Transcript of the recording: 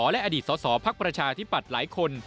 และอดีตสอสอพักประชาอธิบัติหลายคน